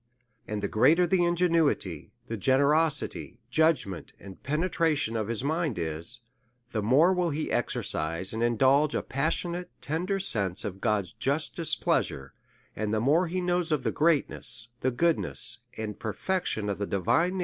And the greater the ingenuity, the generosity, judg ment, and penetration of his mind is, the more will he exercise and indulge a passionate, tender sense of God's just displeasure ; and the more he knows of the greatness, the goodness, and perfection of the divine DEVOUT AND HOLY LIFE.